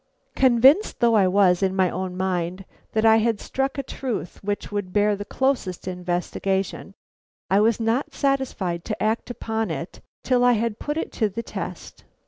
Convinced though I was in my own mind that I had struck a truth which would bear the closest investigation, I was not satisfied to act upon it till I had put it to the test.